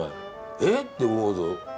「えっ！」って思うぞ。